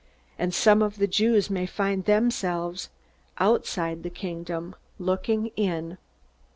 And some of the Jews may find themselves outside the Kingdom looking in!"